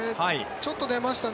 ちょっと出ましたね。